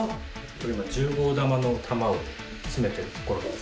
これ今１０号玉の玉をつめてるところです。